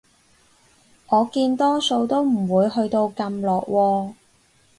我見多數都唔會去到咁落喎